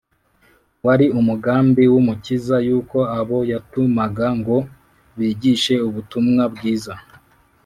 wari umugambi w’umukiza yuko abo yatumaga ngo bigishe ubutumwa bwiza,